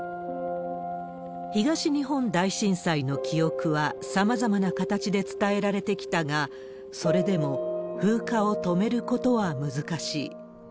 東日本大震災の記憶はさまざまな形で伝えられてきたが、それでも風化を止めることは難しい。